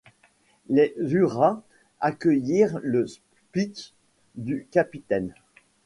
Des hurrahs accueillirent le speech du capitaine.